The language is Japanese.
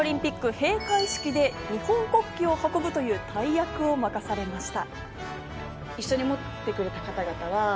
閉会式で日本国旗を運ぶという大役を任されました。